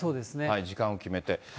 時間を決めて。